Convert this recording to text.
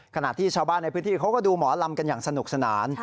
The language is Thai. ขณะที่ชาวบ้านในพื้นที่เขาก็ดูหมอลำกันอย่างสนุกสนาน